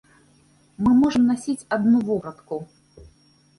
Мы можам насіць адну вопратку.